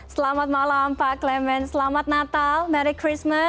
selamat malam pak clement selamat natal merry christmas